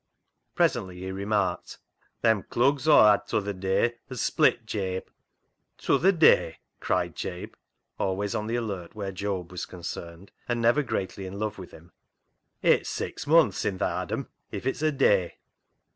Presently he remarked —" Them clugs Aw had t'other day has split, Jabe." " T'other day," cried Jabe, always on the alert where Job was concerned, and never greatly in love with him ;" it's six munths sin tha had 'em if it's a day."